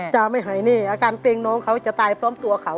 จะไม่หายแน่อาการเกรงน้องเขาจะตายพร้อมตัวเขา